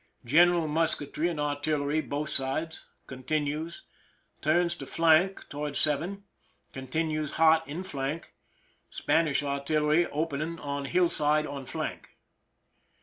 General musketry and artillery both sides; continues. Turns to flank toward 7. Continues hot in flank— Span ish artillery opening on hillside on flank.